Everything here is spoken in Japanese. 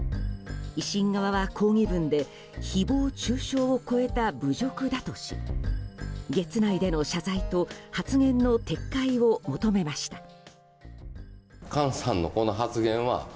維新側は抗議文で誹謗中傷を超えた侮辱だとし月内での謝罪と発言の撤回を求めました。